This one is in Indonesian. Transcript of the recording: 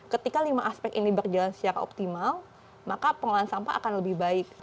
ketika lima aspek ini berjalan secara optimal maka pengolahan sampah akan lebih baik